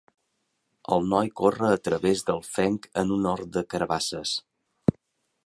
El noi corre a través del fenc en un hort de carabasses.